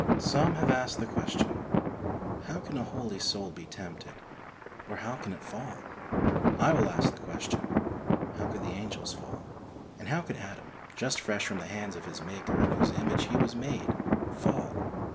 '^ Some have asked the question, " How can a holy soul be tempted, or how can it fall?'^ I will ask the question, how could the angels fall? And how could Adam, just fresh from the hands of his Maker in whose image he was made, fall